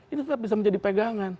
itu tetap bisa menjadi pegangan